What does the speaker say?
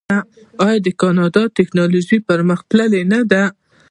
آیا د کاناډا ټیکنالوژي پرمختللې نه ده؟